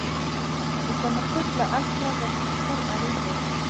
د تمرکز له اصله ګټه اخيستل اړين دي.